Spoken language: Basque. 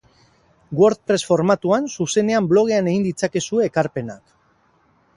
WordPress formatuan zuzenean blogean egin ditzakezue ekarpenak.